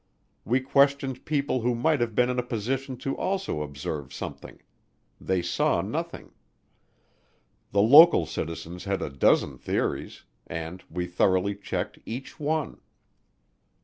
We questioned people who might have been in a position to also observe something; they saw nothing. The local citizens had a dozen theories, and we thoroughly checked each one.